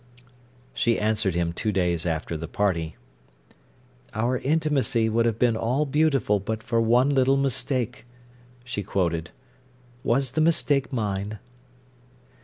She answered him two days after the party. "'Our intimacy would have been all beautiful but for one little mistake,'" she quoted. "Was the mistake mine?"